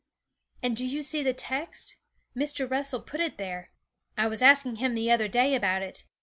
'And do you see the text? Mr. Russell put it there. I was asking him the other day about it.